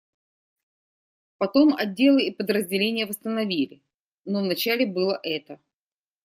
Потом отделы и подразделения восстановили, но вначале было это.